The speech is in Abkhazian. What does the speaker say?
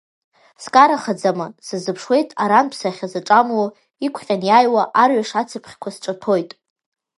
Скарахаӡама, сазыԥшуеит арантә сахьзаҿамло, иқәҟьан иааиуа арҩаш ацыԥхьқәа сҿаҭәоит.